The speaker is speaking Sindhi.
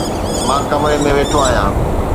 مان ڪمري ۾ ويٺو آهيان